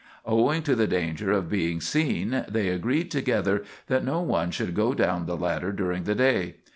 Owing to the danger of being seen, they agreed together that no one should go down the ladder during the day.